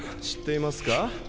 知っていますか？